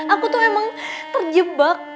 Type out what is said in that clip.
aku tuh emang terjebak